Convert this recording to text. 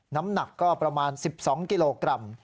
น้ำหนักก็ประมาณ๑๒กิโลกรัม